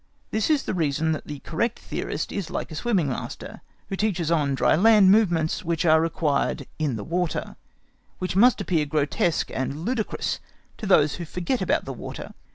This is the reason that the correct theorist is like a swimming master, who teaches on dry land movements which are required in the water, which must appear grotesque and ludicrous to those who forget about the water.